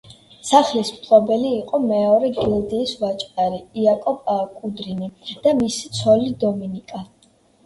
სახლის მფლობელი იყო მეორე გილდიის ვაჭარი იაკობ კუდრინი და მისი ცოლი დომინიკა.